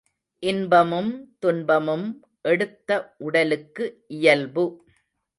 இன்பமும் துன்பமும் எடுத்த உடலுக்கு இயல்பு.